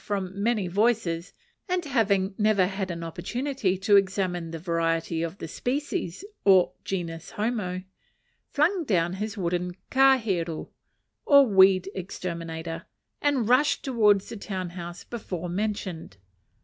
from many voices, and having never had an opportunity to examine that variety of the species, or genus homo, flung down his wooden kaheru or weed exterminator, and rushed towards the town house before mentioned.